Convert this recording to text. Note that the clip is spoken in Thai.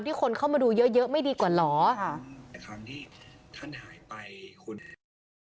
ที่คนเข้ามาดูเยอะไม่ดีกว่าหรอ